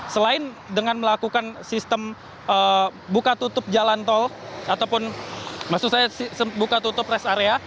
selain dengan melakukan sistem buka tutup jalan tol ataupun maksud saya buka tutup rest area